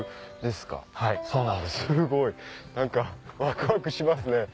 すごい何かワクワクしますね。